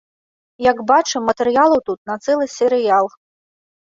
Як бачым, матэрыялаў тут на цэлы серыял.